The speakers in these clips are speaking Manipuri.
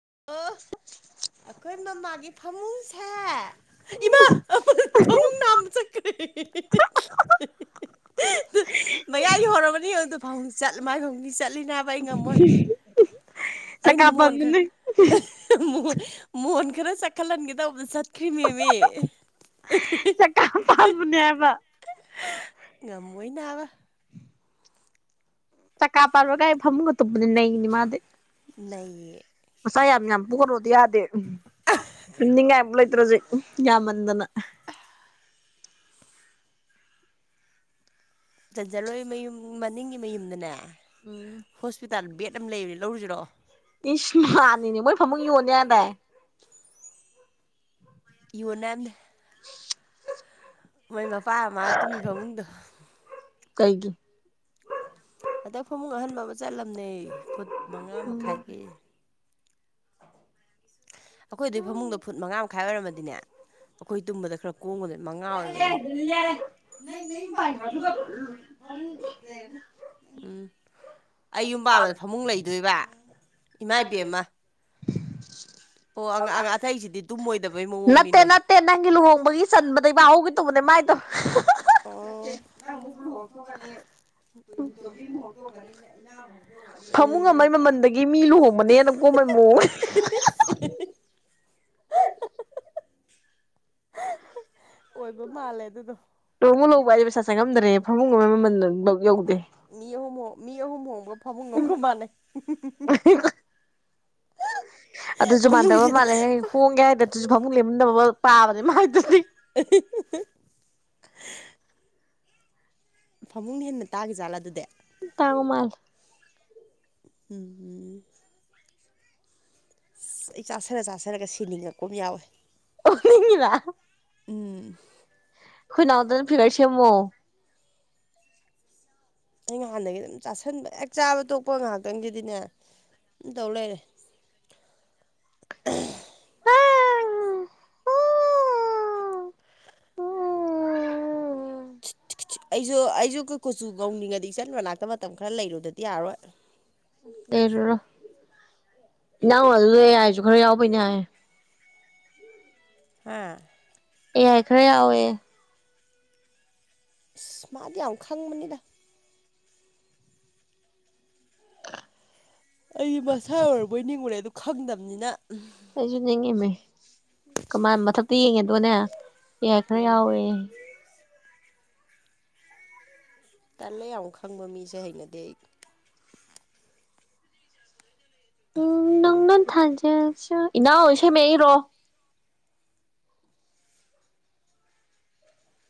[inaudible] ꯑꯈꯣꯏ ꯃꯃꯥꯒꯤ ꯐꯃꯨꯡꯁꯦ ꯏꯃꯥ ꯐꯃꯨꯡ ꯅꯥꯝꯃ ꯆꯠꯈ꯭ꯔꯦ [unintelligible] ꯃꯌꯥꯏ ꯍꯣꯔꯝꯃꯅꯤ ꯌꯦꯡꯉꯣ ꯇꯨ ꯐꯥꯎꯪ ꯆꯠ ꯃꯥꯏ ꯐꯃꯨꯡꯗꯤ ꯆꯠꯂꯤ ꯅꯥꯕ ꯆꯀꯥꯔ ꯄꯥꯟꯕꯅꯦ ꯃꯣ ꯃꯣꯟ ꯈꯔ ꯆꯠꯈꯠꯍꯟꯒꯦꯗꯧꯕꯗ ꯆꯠ ꯈꯤꯝꯅꯦꯃꯦ ꯆꯀꯥ ꯄꯥꯟꯕꯅꯦ ꯍꯥꯏꯕ [unintelligible] ꯉꯝꯃꯣꯏ ꯅꯥꯕ ꯆꯀꯥ ꯄꯥꯟꯕꯒꯥꯏ ꯐꯝꯃꯨꯡꯒ ꯇꯨꯞꯕꯅꯤ ꯅꯩꯕꯅꯤ ꯃꯥꯗꯤ ꯅꯩꯌꯦ ꯃꯆꯥ ꯌꯥꯝ ꯌꯥꯝ ꯄꯣꯔꯛꯑꯣꯗꯤ ꯌꯥꯗꯦ ꯇꯨꯝꯅꯤꯡꯉꯥꯢꯕꯧ ꯂꯩꯇ꯭ꯔꯦ ꯍꯧꯖꯤꯛ ꯌꯥꯝꯃꯟꯗꯅ [inaudible] ꯆꯟꯖꯜꯍꯣꯏ ꯃꯌꯨꯝ ꯃꯅꯤꯡꯒꯤ ꯃꯌꯨꯝꯗꯅꯦ ꯎꯝ ꯍꯣꯁꯄꯤꯇꯥꯜ ꯕꯦꯗ ꯗꯨꯝ ꯂꯩꯕꯅꯦ ꯂꯧꯔꯨꯁꯤꯔꯣ ꯏꯁ ꯃꯥꯅꯤꯅꯦ ꯃꯣꯏ ꯐꯥꯃꯨꯡ ꯌꯣꯟꯅꯤ ꯍꯥꯢ ꯗꯥꯢ ꯌꯨꯅꯟꯤ ꯍꯥꯏꯝꯅꯦ ꯃꯣꯏ ꯃꯄꯥ ꯃꯃꯥ ꯇꯨꯝꯃꯤ ꯐꯃꯨꯡꯗꯣ ꯀꯩꯒꯤ ꯍꯟꯗꯛ ꯐꯃꯨꯡ ꯑꯍꯟꯕ ꯑꯃ ꯆꯠꯂꯝꯅꯦ ꯐꯨꯠ ꯃꯉꯥ ꯃꯈꯥꯏꯒꯤ [inaudible] ꯑꯩꯈꯣꯏꯗ ꯨ ꯐꯃꯨꯡꯗ ꯐꯨꯠ ꯃꯉꯥ ꯃꯈꯥꯏ ꯑꯣꯏꯔꯝꯃꯗꯤꯅꯦ ꯑꯩꯈꯣꯏ ꯇꯨꯝꯕꯗ ꯈꯔ ꯀꯣꯝꯒ ꯗꯕꯅꯦ ꯃꯉꯥ ꯑꯣꯏꯕꯩꯅꯦ ꯑ [inaudible] ꯎꯝ ꯑꯩ ꯌꯨꯝ ꯄꯥꯟꯕꯗꯥ ꯐꯃꯨꯡ ꯂꯩꯗꯣꯏꯕ ꯏꯃꯥ ꯏꯕꯦꯝ ꯃꯥ ꯑꯇꯩꯁꯤꯗꯤ ꯇꯨꯝꯃꯣꯏꯗꯕꯩ ꯅꯠꯇꯦ ꯃꯑꯣꯡꯅꯤꯅꯦ ꯅꯠꯇꯦ ꯅꯪꯒꯤ ꯂꯨꯍꯣꯡꯕꯒꯤ ꯆꯟꯕꯩꯗ ꯌꯥꯎꯍꯧꯒꯦ ꯇꯧꯕꯅꯦ ꯃꯥꯏ ꯇꯧ ꯑꯣ [inaudible] ꯐꯃꯨꯡ ꯑꯃꯒꯤꯥ ꯃꯃꯜꯗꯒꯤ ꯃꯤ ꯂꯨꯍꯣꯡꯕꯥꯅꯥ ꯍꯦꯟꯅ ꯀꯣꯝꯕꯦ ꯃꯑꯣꯡꯅꯤ ꯍꯤꯍꯤ ꯑꯣꯏꯕ ꯃꯥꯜꯂꯦ ꯑꯗꯨꯗꯣ ꯂꯨꯍꯣꯡꯕ ꯂꯨꯍꯣꯡꯕ ꯍꯥꯏꯁꯦ ꯄꯩꯁꯥ ꯆꯪꯉꯝꯗ꯭ꯔꯦ ꯐꯃꯨꯡ ꯑꯃ ꯃꯃꯜ ꯌꯧꯗꯦ ꯃꯤ ꯑꯍꯨꯝ ꯃꯤ ꯑꯍꯨꯝ ꯍꯣꯡꯕ ꯐꯃꯨꯡꯒꯒ ꯃꯥꯟꯅꯩ ꯎ [inaudible] ꯑꯗꯨꯁꯨ ꯃꯥꯟꯗꯕ ꯐꯃꯨꯡꯁꯦ ꯃꯥꯜꯂꯦ ꯍ ꯍꯣꯡꯒꯦ ꯍꯥꯏꯗ ꯑꯗꯨꯁꯨ ꯐꯃꯨꯡꯛ ꯂꯦꯝꯃꯝꯗꯕ ꯄꯥꯕꯅꯦ ꯃꯥꯥꯏꯗꯨꯗꯤ [inaudible] ꯐꯃꯨꯡ ꯍꯦꯟꯅ ꯇꯥꯡ ꯏ ꯖꯥꯠꯂ ꯑꯗꯨꯗꯤ ꯇꯥꯡꯕ ꯃꯜꯂꯦ ꯎꯝ ꯎꯝ ꯑꯩ ꯆꯥꯁꯤꯜ ꯆꯥꯁꯤꯜꯂꯒ ꯁꯤꯅꯤꯡꯉꯛꯄ ꯑꯃ ꯌꯥꯎꯋꯦ [unintelligible] ꯎꯝ ꯑꯩꯈꯣꯏ ꯅꯥꯎꯗꯧꯅ ꯐꯤꯒꯔ ꯁꯦꯝꯃꯣ ꯑꯩ ꯉꯍꯥꯟꯗꯒꯤ ꯑꯗꯨꯝ ꯆꯥꯁꯟꯕ ꯍꯦꯛ ꯆꯥꯕ ꯇꯣꯛꯄ ꯉꯥꯏꯍꯥꯛꯇꯪꯒꯤꯗꯤꯅꯦ ꯗꯨꯝ ꯇꯧꯔ ꯂꯩꯔꯦ ꯑꯩꯁꯨ ꯑꯩꯈꯣꯏ ꯀꯨꯆꯨ ꯀꯧꯅꯤꯡꯉꯗꯤ ꯏꯆꯟ ꯃꯅꯥꯛꯇ ꯃꯇꯝ ꯈꯔ ꯂꯩꯔꯨꯗꯗꯤ ꯌꯥꯔꯣꯏ ꯂꯩꯔꯨꯔꯣ ꯏꯅꯥꯎ ꯋꯥꯜ ꯂ ꯍꯥꯏꯁꯨ ꯈꯔ ꯌꯥꯎꯕꯩꯅꯦ ꯍꯥꯏ ꯍꯥ ꯌꯥꯏ ꯈꯔ ꯌꯥꯎꯋꯦ ꯏꯁꯁ ꯃꯥꯗꯤ ꯌꯥꯝ ꯈꯪꯕꯅꯤꯗ ꯑꯩꯗꯤ ꯃꯁꯥ ꯑꯣꯏꯔꯕꯣꯏ ꯅꯤꯡꯉꯨꯔꯦ ꯑꯗꯨ ꯈꯪꯗꯕꯅꯤꯅ ꯑꯩꯁꯨ ꯅꯤꯡꯉꯤꯃꯦ ꯀꯃꯥꯏ ꯃꯊꯛꯇ ꯌꯦꯡꯉꯦꯗꯣꯅꯦ ꯌꯥꯏ ꯈꯔꯥ ꯌꯥꯎꯋꯦꯌꯦ ꯇꯜꯂꯦ ꯌꯥꯝ ꯈꯪꯕ ꯃꯤꯁꯦ ꯍꯩꯅꯗꯦ ꯑꯩ ꯎꯝ ꯅꯪ ꯅ ꯊꯥꯖꯁꯨ ꯏꯅꯥꯎ ꯏꯁꯩ ꯃꯌꯦꯛ ꯏꯔꯛ ꯑꯣ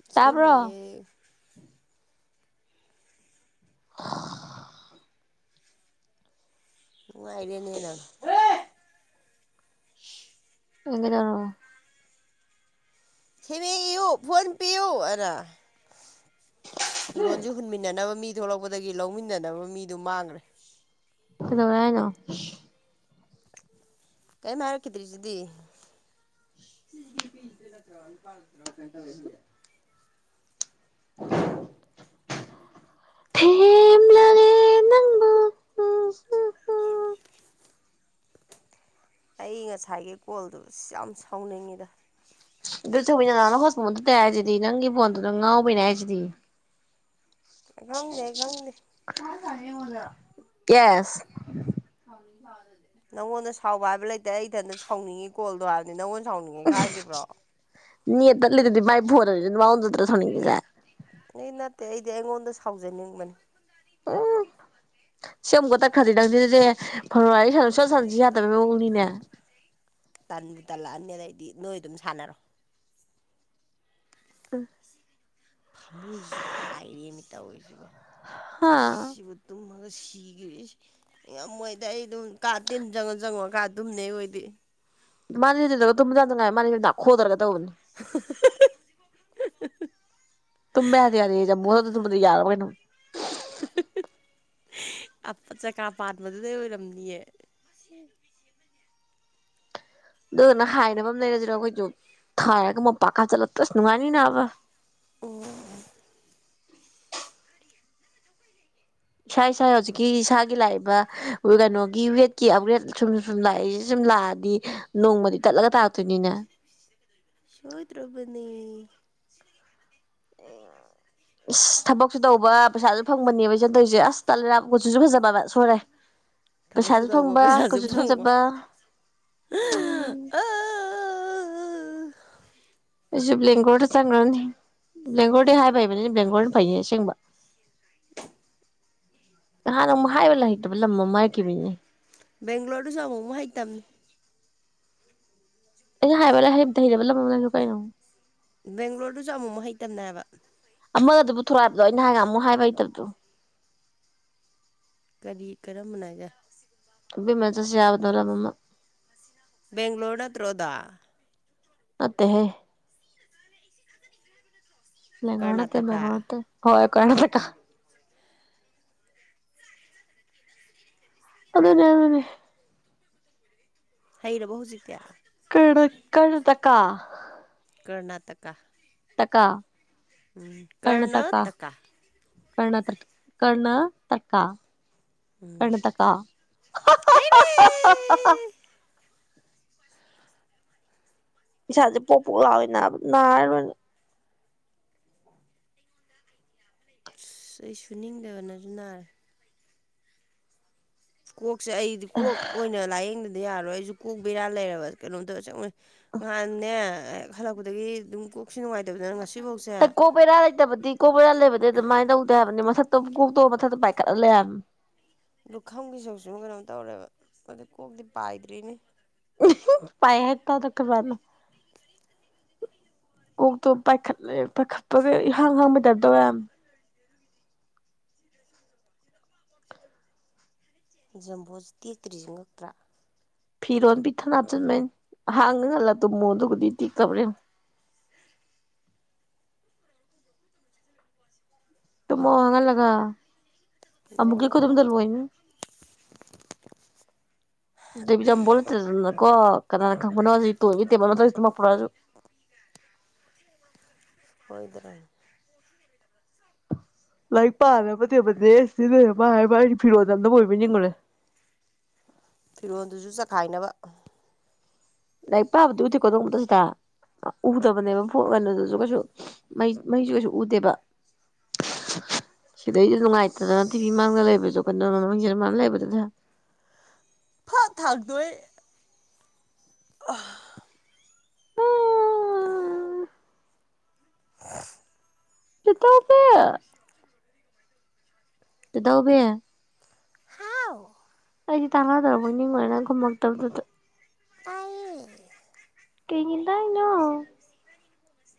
ꯏꯁꯩ ꯇꯥꯕ꯭ꯔꯣ ꯃꯌꯦꯛ ꯅꯨꯡꯉꯥꯏꯔꯦꯅꯦ ꯅꯪ [unintelligible] ꯏꯁꯩ ꯃꯌꯦꯛ ꯏꯌꯨ ꯐꯣꯟ ꯄꯤꯌꯨ ꯑꯅ ꯂꯣꯟꯁꯤ ꯍꯨꯟꯃꯤꯟꯅꯅꯕ ꯃꯤ ꯊꯣꯛꯂꯛꯄꯗꯒꯤ ꯂꯧꯃꯤꯟꯅꯅꯕ ꯃꯤꯗꯨ ꯃꯥꯡꯈ꯭ꯔꯦ ꯀꯩꯗꯧꯔꯦ ꯍꯥꯏꯅꯣ ꯀꯦꯝ ꯍꯥꯏꯔꯛꯈꯤꯗ꯭ꯔꯤꯁꯤꯗꯤ [inaudible] ꯊꯦꯝꯂꯒꯦ ꯅꯪꯕꯨ [unintelligible] ꯑꯩ ꯉꯁꯥꯏꯒꯤ ꯀꯣꯜꯗꯨ ꯌꯥꯝ ꯁꯥꯎꯅꯤꯡꯉꯤꯗ ꯑꯗꯨ ꯆꯧꯕꯤꯅ [unintelligible] ꯍꯣꯁꯄꯣꯠ ꯃꯨꯊꯠꯇꯦ ꯍꯥꯏꯁꯤꯗꯤ ꯅꯪꯒꯤ ꯐꯣꯟꯗꯨꯗ ꯉꯥꯎꯕꯩꯅꯦ ꯍꯥꯏꯁꯤꯗꯤ ꯈꯪꯗꯦ ꯈꯪꯗꯦ [unintelligible] ꯅꯪꯉꯣꯟꯗ ꯁꯥꯎꯕ ꯍꯥꯏꯕ ꯂꯩ ꯇꯦ ꯑꯩ ꯊꯟꯗ ꯁꯥꯎꯅꯤꯡꯉꯤ ꯀꯣꯜꯗꯣ ꯍꯥꯏꯕꯅꯤ ꯅꯪꯉꯣꯟ ꯁꯥꯎꯅꯤꯡꯉꯤ ꯀꯥꯏ ꯍꯥꯏꯈꯤꯕ꯭ꯔꯣ ꯅꯦꯠ ꯇꯠꯂꯤꯗꯨꯗꯤ ꯃꯥꯏ ꯐꯣꯟꯗꯣ ꯃꯉꯣꯟꯗ ꯅꯠꯇ꯭ꯔꯣ ꯁꯥꯎꯅꯤꯡꯂꯤꯁꯦ ꯅꯦꯠ ꯅꯠꯇꯦ ꯑꯩꯗꯤ ꯑꯩꯉꯣꯟꯗ ꯁꯥꯎꯖꯅꯤꯡꯕꯅꯤ [unintelligible] ꯁꯤ ꯑꯃꯨꯛꯀ ꯇꯠꯈ꯭ꯔꯗꯤ ꯅꯪꯅꯤ ꯗꯤ ꯐꯣꯟ ꯋꯥꯔꯤ ꯁꯨꯛꯁꯥꯟ ꯁꯥꯟꯅꯁꯤ ꯌꯥꯗꯕꯒꯤ ꯃꯑꯣꯡꯅꯤꯅꯦ ꯇꯟꯕꯨ ꯇꯜꯂꯛꯑꯅꯤ ꯑꯩꯗꯤ ꯅꯣꯏ ꯑꯗꯨꯝ ꯁꯥꯟꯅꯔꯣ [unintelligible] ꯐꯃꯨꯡꯁꯤꯁꯨ ꯄꯥꯏꯔꯦꯃꯤ ꯇꯧꯔꯤꯁꯤꯕꯣ ꯍꯥ ꯁꯤꯕꯨ ꯇꯨꯝ ꯁꯤꯒ꯭ꯔꯦ ꯉꯝꯃꯣꯏꯗ ꯑꯩ ꯑꯗꯨꯝ ꯀꯥ ꯇꯤꯟ ꯆꯪꯉꯨ ꯆꯪꯉꯨꯔꯀꯥꯟ ꯇꯨꯝꯅꯦ ꯑꯩ ꯑꯣꯏꯗꯤ ꯃꯥꯗꯤ [unintelligible] [unintelligible] ꯇꯨꯝꯕ ꯌꯥꯗꯦ ꯌꯥꯗꯦꯁꯦ [unintelligible] ꯌꯥꯔꯕ ꯀꯩꯅꯣ [unintelligible] ꯑꯞ ꯆꯀꯥ ꯄꯥꯟꯕꯗꯨꯗꯩ ꯑꯣꯏꯔꯝꯅꯤꯌꯦ ꯗꯨꯗꯨꯅ ꯍꯥꯏꯅꯕ ꯑꯃ ꯂꯩꯔꯁꯤꯔꯣ ꯑꯩꯈꯣꯏꯁꯨ ꯊꯥꯔꯒ ꯃꯣꯝꯄꯥꯛꯀꯥ ꯍꯥꯞꯆꯤꯜꯂꯒ ꯑꯁ ꯅꯨꯡꯉꯥꯏꯅꯤ ꯅꯥꯕ ꯑꯣ ꯏꯁꯥ ꯏꯁꯥ ꯍꯧꯖꯤꯛꯀꯤ ꯏꯁꯥꯒꯤ ꯂꯥꯛꯏꯕ ꯀꯩꯅꯣꯒꯤ ꯋꯦꯗꯀꯤ ꯑꯞꯒ꯭ꯔꯦꯗ ꯁꯨꯝ ꯁꯨꯝ ꯂꯥꯛꯏꯁꯦ ꯁꯨꯝ ꯂꯥꯛꯑꯗꯤ ꯅꯣꯡꯃꯗꯤ ꯇꯠꯂꯒ ꯇꯥꯔꯛꯇꯣꯏꯅꯤꯅ ꯁꯣꯏ ꯗ꯭ꯔꯕꯅꯦ ꯏꯁ ꯊꯕꯛꯁꯨ ꯇꯧꯕ ꯄꯩꯁꯥꯁꯨ ꯐꯪꯕꯅꯦꯕ ꯏꯆꯟ ꯇꯧꯔꯤꯁꯦ ꯑꯁ ꯇꯜꯂꯦꯕ ꯀꯨꯆꯨꯁꯨ ꯐꯖꯕ ꯍꯥꯏꯕ ꯁꯣꯏꯔꯦ ꯊꯕꯛꯁꯨ ꯄꯩꯁꯥꯁꯨ ꯇꯧꯕ ꯐꯪꯕ ꯄꯩꯁꯥꯁꯨ ꯀꯨꯆꯨꯁꯨ ꯐꯪꯕ ꯐꯖꯕ [unintelligible] ꯑꯩꯁꯨ ꯕ꯭ꯂꯦꯡꯒꯣꯔꯗ ꯆꯪꯈ꯭ꯔꯅꯤ ꯕ꯭ꯂꯦꯡꯒꯣꯔꯗ ꯍꯥꯏꯕ ꯍꯩꯕꯅꯤꯅ ꯕ꯭ꯂꯦꯡꯒꯣꯔꯅ ꯐꯩꯅꯦ ꯑꯁꯦꯡꯕ [inaudible] ꯅꯍꯥꯟ ꯑꯃ ꯍꯥꯏꯕ ꯍꯩꯇꯕ ꯂꯝ ꯑꯃ ꯍꯥꯏꯈꯤꯕꯅꯤꯅꯦ ꯕꯦꯡꯒ꯭ꯂꯣꯔꯗꯨꯁꯨ ꯑꯃꯨꯛ ꯑꯃꯨꯛ ꯍꯩꯇꯝꯅꯤ ꯑꯩꯅ ꯍꯥꯏꯕ [unintelligible] ꯀꯩꯅꯣ ꯕꯦꯡꯒ꯭ꯂꯣꯔꯗꯨꯁꯨ ꯑꯃꯨꯛ ꯑꯃꯨꯛ ꯍꯩꯇꯝꯅꯦ ꯍꯥꯏꯕ ꯑꯃꯗꯨ ꯄꯨꯊꯣꯔꯛꯑꯣ ꯍꯥꯏꯕꯗꯣ ꯑꯩꯅ ꯅꯍꯥꯟ ꯉꯥꯍꯥꯟꯃꯨꯛ ꯍꯥꯏꯕ ꯍꯩꯇꯕꯗꯣ ꯀꯔꯤ ꯀꯔꯝꯕ ꯅꯣ ꯍꯥꯏꯖꯦ ꯑꯕꯦꯝꯝꯥ ꯆꯠꯁꯤ ꯍꯥꯏꯕꯗꯣ ꯅꯃ ꯑꯃ ꯕꯦꯡꯒ꯭ꯂꯣꯔ ꯅꯠꯇ꯭ꯔꯣ ꯑꯗꯣ ꯅꯠꯇꯦꯍꯦ ꯃꯦꯡꯒ꯭ꯂꯣꯔ ꯅꯠꯇꯦ ꯀꯔꯅꯥꯇꯀꯥ ꯃꯦꯡꯒ꯭ꯣꯔ ꯍꯣꯏ [unintelligible] ꯑꯗꯨꯅꯤ ꯑꯗꯨꯅꯤ ꯍꯩꯔꯕꯣ ꯍꯧꯖꯤꯛꯇꯤ ꯀꯔꯅ ꯀꯔꯅꯇꯛꯀꯥ ꯀꯔꯅꯥꯇꯀꯥ ꯀꯔꯅꯥꯇꯀꯥ ꯀꯔꯅ ꯇꯔ ꯀꯔꯅ ꯇꯛꯀꯥ ꯎꯝ ꯀꯔꯅꯇꯛꯀꯥ ꯍꯩꯔꯦ ꯍꯥꯍꯥ ꯍꯥ ꯍꯥ ꯍꯥ ꯏꯁꯥꯁꯦ ꯄꯣꯛ ꯄꯣꯛ ꯂꯥꯎꯋꯦ ꯅꯥ ꯅꯥꯔꯦ ꯂꯣꯏꯅ ꯑꯁ ꯑꯩ ꯁꯨꯅꯤꯡꯗꯕꯅꯁꯨ ꯅꯥꯔꯦ ꯀꯣꯛꯁꯦ ꯑꯩꯗꯤ ꯀꯣꯛ ꯑꯣꯏꯅ ꯂꯥꯏꯌꯦꯡꯗꯗꯤ ꯌꯥꯔꯣꯏ ꯑꯩꯁꯨ ꯀꯣꯛ ꯕꯤꯔꯥ ꯂꯩꯔꯕ ꯀꯩꯅꯣꯝ ꯇꯧꯔꯦ ꯑꯁꯦꯡꯕꯅꯤ ꯉꯍꯥꯟꯅꯦ ꯍꯦꯛ ꯍꯜꯂꯛꯄꯗꯒꯤ ꯑꯗꯨꯝ ꯀꯣꯛ ꯀꯣꯛ ꯕꯦꯔꯥ ꯂꯩꯇꯕꯗꯤ ꯀꯣꯛ ꯕꯦꯔꯥ ꯂꯩꯕꯗꯤ ꯑꯗꯨꯃꯥꯏꯅ ꯇꯧꯗꯦ ꯍꯥꯏꯕꯅꯤ ꯃꯊꯛ ꯀꯣꯛ ꯇꯣ ꯃꯊꯛꯇꯥ ꯄꯥꯏꯈꯠꯂꯥ ꯂꯩ ꯍꯥꯏꯕꯥꯅꯦ ꯂꯨꯈꯝꯒꯤ ꯁꯔꯨꯛ ꯁꯤꯃꯥ ꯀꯩꯅꯣꯝ ꯇꯧꯔꯦꯕ ꯑꯗꯨ ꯀꯣꯛꯇꯤ ꯄꯥꯏꯗ꯭ꯔꯤꯅꯦ [unintelligible] ꯀꯣꯛꯇꯣ ꯄꯥꯢꯈꯠꯂꯦ ꯄꯥꯏꯈꯠꯄꯒ ꯏꯍꯥꯡ ꯍꯥꯡꯕꯩ ꯇꯥꯏꯄ ꯇꯧꯏ ꯍꯥꯢꯕꯅꯦ ꯖꯝꯕꯣꯁꯦ ꯇꯦꯛꯇ꯭ꯔꯤꯁꯤ ꯉꯛꯇ꯭ꯔꯥ ꯐꯤꯔꯣꯟꯜ ꯄꯤꯛꯊꯟ ꯍꯥꯞꯆꯤꯟꯕꯩꯅꯤ ꯍꯥꯡꯉ ꯉꯜꯂ ꯇꯨꯝꯃꯣ ꯑꯗꯨꯒꯗꯤ ꯇꯦꯛꯇꯕꯔꯥ ꯌꯦꯡꯉꯣ [inaudible] ꯇꯨꯃꯃꯣ ꯍꯥꯡꯍꯜꯂꯒꯥ ꯑꯃꯨꯛꯀꯤ ꯈꯨꯇꯨꯝꯗ ꯂꯣꯛ ꯂꯣꯏꯅꯤ [inaudible] [unintelligible] [unintelligible] ꯂꯥꯏꯔꯤꯛ ꯄꯥꯅꯕꯥ ꯇꯦꯕꯜꯅꯦꯌꯦ ꯑꯁꯤꯗ ꯂꯩꯔꯤꯁꯦ ꯃꯅꯥ ꯍꯥꯏꯕꯥ ꯑꯩꯗꯤ ꯐꯤꯔꯣꯜ ꯊꯝꯅꯕ ꯑꯣꯏꯔꯕꯣꯏ ꯅꯤꯡꯉꯨꯔꯦ ꯐꯤꯔꯣꯜꯗꯨꯁꯨ ꯆꯈꯥꯏꯅꯕ [unintelligible] ꯎꯗꯕꯅꯦꯕ ꯐꯣꯅ ꯀꯩꯅꯣꯗꯨꯁꯨ ꯀꯩꯁꯨ ꯃꯩ ꯃꯩꯁꯨ ꯀꯩꯁꯨ ꯎꯗꯦꯕ ꯁꯤꯗꯩꯁꯨ ꯅꯨꯡꯉꯥꯏꯇꯗꯅ ꯇꯤꯚꯤ ꯃꯥꯡꯗ ꯂꯩꯕꯁꯨ ꯃꯤꯡꯁꯦꯜ ꯃꯥꯡꯗ ꯂꯩꯕꯗꯨꯗꯥ ꯐꯠ ꯊꯥꯡꯗꯣꯀꯏ ꯑꯥ ꯍꯥ [inaudible] [inaudible] [unintelligible] [unintelligible] ꯍꯥꯎ ꯑꯩꯗꯤ ꯇꯥꯟꯅꯗꯔ꯭ꯕꯣꯏ ꯅꯤꯡꯉꯨꯔꯦ ꯅꯪ ꯈꯨꯝꯃꯛꯇꯕꯗꯨꯗ ꯑꯩ [unintelligible]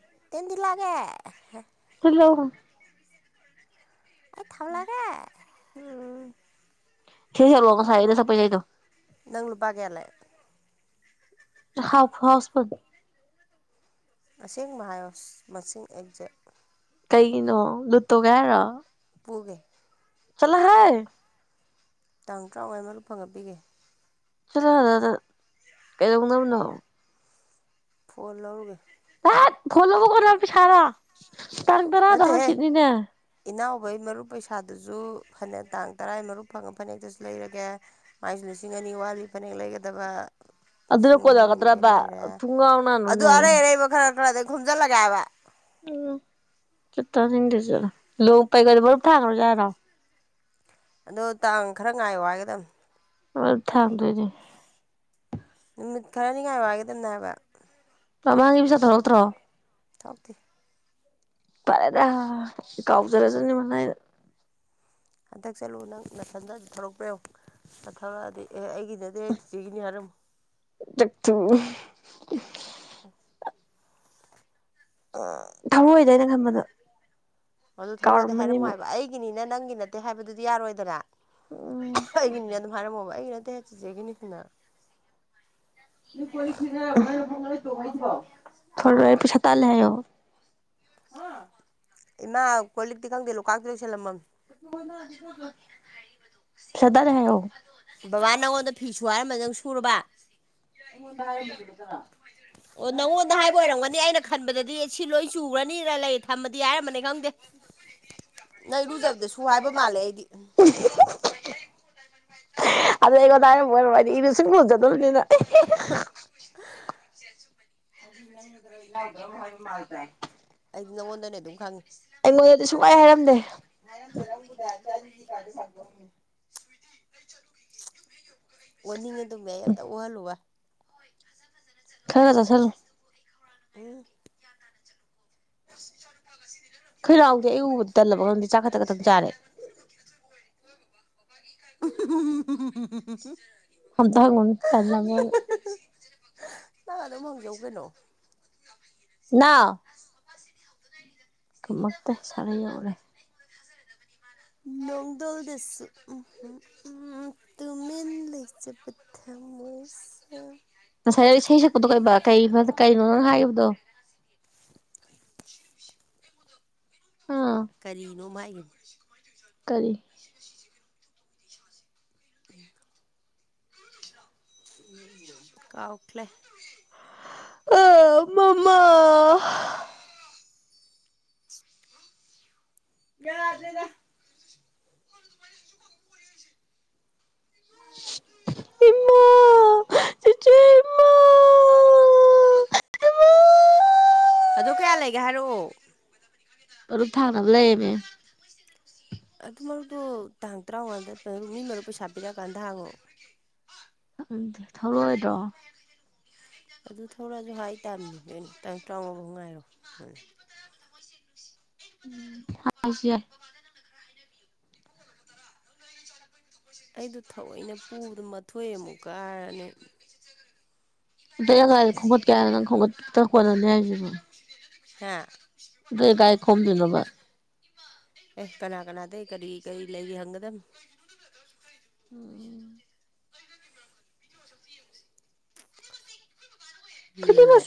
[unintelligible] [unintelligible] [unintelligible] ꯏꯁꯩ ꯁꯛꯂꯛꯑꯣ ꯉꯥꯁꯥꯏ ꯑꯩꯅꯥ ꯁꯛꯄꯥ ꯏꯁꯩꯗꯣ ꯅꯪ ꯂꯨꯄꯥ ꯀꯌꯥ ꯂꯩ [unintelligible] ꯑꯁꯦꯡꯕ ꯍꯥꯏꯌꯣ ꯃꯁꯤꯡ ꯑꯦꯛꯖꯦꯛ ꯀꯩꯒꯤꯅꯣ ꯂꯨꯠ ꯇꯧꯒꯦ ꯍꯥꯏꯔꯣ ꯄꯨꯒꯦ ꯆꯠꯂꯣꯍꯦ ꯇꯥꯡ ꯇꯔꯥ ꯃꯉꯥ ꯃꯔꯨꯞ ꯐꯪꯉꯥ ꯄꯤꯒꯦ ꯆꯠꯂꯣꯍꯦ ꯑꯗꯨꯗ ꯀꯩꯗꯧꯅꯕꯅꯣ ꯐꯣꯟ ꯂꯧꯔꯨꯒꯦ ꯇꯥꯠ ꯐꯣꯅ ꯂꯧꯕꯥꯕꯨ ꯀꯅꯥꯏ ꯄꯩꯁꯔꯥ ꯇꯥꯡ ꯇꯔꯥꯗꯣ ꯍꯪꯆꯤꯠꯅꯤꯅ ꯑꯈꯣꯏ ꯃꯔꯨꯞ ꯄꯩꯁꯥꯗꯨꯁꯨ ꯐꯅꯦꯛ ꯇꯥꯡ ꯇꯔꯥ ꯃꯔꯨꯞ ꯐꯪꯉ ꯐꯅꯦꯛꯇꯨꯁꯨ ꯂꯩꯔꯒꯦ ꯃꯥꯏꯁꯨ ꯂꯤꯁꯤꯡ ꯑꯅꯤ ꯅꯤ ꯋꯥꯠꯂꯤ ꯐꯅꯦꯛ ꯂꯩꯒꯗꯕ ꯑꯗꯨꯗ ꯂꯤꯁꯤꯡ ꯃꯔꯤ ꯑꯃꯗꯤ ꯀꯣꯟꯅꯒꯗ꯭ꯔꯕ ꯂꯩꯔꯦ ꯊꯨꯡꯒꯥꯎ ꯑꯗꯨ ꯅꯥꯅꯨꯅꯦ ꯑꯔꯩ ꯑꯔꯩꯕ ꯈꯔ ꯈꯔꯥ ꯈꯣꯝꯖꯟꯂꯥꯒꯦ ꯍꯥꯌꯕ ꯎꯝ ꯆꯠ ꯇꯅꯤꯡꯗꯦ ꯆꯠꯂꯣ [unintelligible] ꯑꯗꯣ ꯇꯥꯡ ꯈꯔ ꯉꯥꯏꯌꯣ ꯍꯥꯏꯒꯗꯕꯅꯤ ꯃꯔꯨꯞ ꯊꯥꯡꯗꯣꯏꯅꯤ ꯅꯨꯃꯤꯠ ꯈꯔꯅꯤ ꯉꯥꯏꯌꯣ ꯍꯥꯏꯒꯗꯕꯅꯦ ꯍꯥꯏꯕ ꯃꯃꯥꯡꯒꯤ ꯄꯩꯁꯥ ꯊꯧꯔꯛꯇꯔꯣ ꯊꯧꯔꯛꯇꯦ ꯐꯔꯦꯗ ꯀꯥꯎꯖꯔꯖꯥꯅꯤ ꯃꯔꯥꯢꯅꯥ ꯍꯟꯗꯛ ꯆꯠꯂꯨ ꯅꯪ ꯅꯥꯊꯟꯗ ꯑꯗꯨ ꯊꯧꯔꯛꯄ꯭ꯔ ꯌꯦꯡꯉꯨ ꯊꯧꯔꯛꯑꯗꯤ ꯑꯦ ꯑꯩꯒꯤ ꯅꯠꯇꯦ ꯑꯩ ꯆꯤꯆꯦꯒꯤꯅꯤ ꯍꯥꯏꯔꯝꯃꯨ ꯆꯛꯊꯨ [unintelligible] ꯑꯣ ꯊꯧꯔꯛꯑꯣꯢꯗ ꯑꯩꯅ ꯈꯟꯕꯗ ꯑꯗꯣ ꯊꯧꯔꯛꯑꯗꯤ ꯀꯥꯎꯔꯝꯃꯅꯤ ꯍꯥꯏꯔꯝꯃꯣ ꯑꯃꯨꯛ ꯍꯥꯏꯕ ꯑꯩꯒꯤꯅꯤꯅ ꯅꯪꯒꯤ ꯅꯠꯇꯦ ꯍꯥꯏꯕꯗꯨꯗꯤ ꯌꯥꯔꯣꯏꯗꯅ ꯎꯝ ꯑꯩꯒꯤꯅꯤꯅ ꯑꯗꯨꯝ ꯍꯥꯏꯔꯝꯃꯣꯕ ꯑꯩꯒꯤ ꯅꯠꯇꯦ ꯍꯦ ꯆꯤꯆꯦꯒꯤꯅꯤꯅ ꯊꯧꯔꯛꯑꯦ ꯄꯩꯁꯥ ꯇꯥꯜꯂꯦ ꯍꯥꯢꯌꯣ ꯏꯃꯥ ꯀꯣꯜꯂꯤꯛꯇꯤ ꯈꯪꯗꯦ ꯂꯨꯈꯥꯛꯇꯤ ꯂꯣꯢꯁꯜꯂꯝꯃꯥꯝꯅꯦ ꯄꯩꯁꯥ ꯇꯥꯜꯂꯦ ꯍꯥꯏꯌꯣ [unintelligible] ꯕꯕꯥꯅ ꯅꯪꯉꯣꯟꯗ ꯐꯤ ꯁꯨ ꯍꯥꯏꯔꯝꯕꯗꯣ ꯅꯪ ꯁꯨꯨꯔꯕ ꯑꯩꯉꯣꯟꯗ ꯍꯥꯢꯔꯝꯕꯁꯨ ꯅꯠꯇꯅ ꯑꯣ ꯅꯪꯉꯣꯟꯗ ꯍꯥꯏꯕ ꯑꯣꯏꯔꯝꯒꯅꯤ ꯑꯩꯅ ꯈꯟꯕꯗꯗꯤ ꯁꯤ ꯂꯣꯏ ꯆꯨꯨꯒꯔꯅꯤ ꯅꯤꯔ ꯂꯩ ꯊꯝꯃꯗꯤ ꯍꯥꯏꯔꯝꯕꯅꯤ ꯈꯪꯗꯦ ꯅꯪ ꯏꯔꯨꯖꯕꯗ ꯁꯨ [unintelligible] ꯍꯥꯏꯕ ꯃꯥꯜꯂꯦ ꯑꯩꯗꯤ ꯑꯗꯨ ꯑꯩꯉꯣꯟꯗ ꯍꯥꯏꯔꯝꯕ ꯑꯣꯏꯔꯝꯃꯣꯢ ꯑꯩꯗꯤ ꯏꯔꯨ ꯁꯨꯡꯂꯨ ꯂꯨꯖꯗꯕꯅꯤꯅ [unintelligible] ꯑꯩꯗꯤ ꯅꯉꯣꯟꯗꯅꯦ ꯑꯗꯨꯝ ꯈꯪꯉꯦ ꯑꯩꯉꯣꯟꯗꯗꯤ ꯁꯨꯡꯍꯥꯏ ꯍꯥꯏꯔꯝꯗꯦ ꯑꯣꯅꯤꯡꯉꯦ ꯑꯗꯨꯝ ꯑꯩ ꯑꯝꯇ ꯑꯣꯍꯜꯂꯨꯕ ꯈꯔꯒ ꯆꯥꯁꯜꯂꯨ ꯎꯝ [unintelligible] ꯑꯩ ꯎꯕꯗ ꯇꯜꯂꯕ ꯈꯪꯗꯦ ꯆꯥꯛ ꯈꯛꯇ ꯈꯛꯇꯪ ꯆꯥꯔꯦ [unintelligible] ꯑꯝꯇ ꯍꯪꯉꯨꯅꯨ ꯇꯜꯂꯕꯅ ꯅꯪ ꯑꯗꯨꯝ ꯍꯪꯖꯧ ꯀꯩꯅꯣ ꯅꯥꯎ ꯈꯨꯝꯃꯛꯇꯦ ꯁꯜ ꯂꯩꯍꯧꯔꯦ ꯅꯣꯡꯗꯣꯜꯗꯁꯨ ꯎꯝ ꯎꯝ ꯇꯨꯃꯤꯟ ꯂꯩꯖꯕ ꯊ ꯃꯣꯢꯁꯨ ꯉꯁꯥꯏ ꯅꯪ ꯏꯁꯩ ꯁꯛꯄꯗꯣ ꯀꯩꯕ ꯀꯩ ꯀꯩꯅꯣ ꯅꯪ ꯍꯥꯏꯒꯤꯕꯗꯣ ꯑꯥ ꯀꯔꯤꯅꯣꯝ ꯍꯥꯢꯒꯤꯝꯅꯦ ꯀꯔꯤ [inaudible] ꯀꯥꯎꯈ꯭ꯂꯦ ꯑ ꯃꯃꯥ ꯌꯥꯗ꯭ꯔꯦꯗ ꯏꯃꯥ ꯆꯦꯆꯦ ꯏꯃꯥ ꯏꯃꯥ ꯑꯗꯨ ꯀ꯭ꯌꯥ ꯂꯩꯒꯦ ꯍꯥꯏꯔꯛꯑꯣ ꯇꯔꯨꯛ ꯊꯥꯅꯕ ꯂꯩꯌꯦꯃꯤ ꯑꯗꯨ ꯃꯔꯨꯞꯇꯣ ꯇꯥꯡ ꯇ꯭ꯔꯥꯝꯉꯥꯗ ꯃꯔꯨ ꯃꯤ ꯃꯔꯨꯞ ꯄꯩꯁꯥ ꯄꯤꯔꯛꯑꯀꯥꯟꯗ ꯊꯥꯡꯉꯣ ꯈꯪꯗꯦ ꯊꯧꯔꯛꯑꯣꯢꯗ꯭ꯔꯣ ꯑꯗꯨ ꯊꯧꯔꯛꯑꯁꯨ ꯍꯥꯏꯇꯥꯝꯅꯤ ꯀꯩꯅꯣ ꯇꯥꯡ ꯇ꯭ꯔꯥꯉꯥꯐꯥꯎ ꯉꯥꯏꯔꯣ ꯑꯝ ꯍꯥꯢꯁꯤ ꯌꯥꯢ ꯑꯩꯗꯣ ꯊꯑꯣꯏꯅ ꯄꯨꯕꯗꯣ ꯃꯊꯣꯏ ꯑꯃꯨꯛ ꯀꯥꯔꯅꯤ [unintelligible] ꯈꯣꯡꯒꯠꯀꯦ ꯍꯥꯏꯔ ꯅꯪ ꯈꯣꯡꯒꯠꯇ ꯀꯣꯅꯅꯤ ꯍꯥꯏꯁꯤꯕꯨ ꯍꯥ ꯗꯨ ꯀꯥꯢ ꯈꯣꯝꯗꯣꯢꯅꯣꯕ ꯑꯦ ꯀꯅꯥ ꯀꯅꯥꯗꯩ ꯀꯔꯤ ꯀꯔꯤ ꯂꯩꯔꯤ ꯍꯪꯒꯗꯝꯅꯦ ꯎꯝ ꯐꯤꯂꯝ [unintelligible]